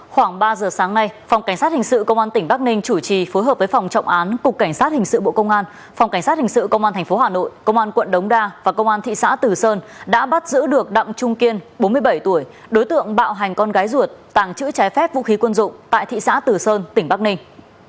khoảng ba giờ sáng nay phòng cảnh sát hình sự công an tỉnh bắc ninh chủ trì phối hợp với phòng trọng án cục cảnh sát hình sự bộ công an phòng cảnh sát hình sự công an tp hà nội công an quận đống đa và công an thị xã từ sơn đã bắt giữ được đặng trung kiên bốn mươi bảy tuổi đối tượng bạo hành con gái ruột tàng trữ trái phép vũ khí quân dụng tại thị xã tử sơn tỉnh bắc ninh